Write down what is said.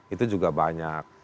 itu juga banyak